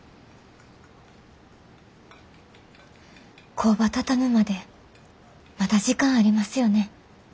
工場畳むまでまだ時間ありますよね？